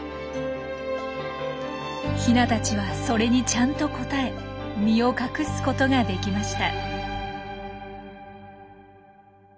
ヒナたちはそれにちゃんと応え身を隠すことができました。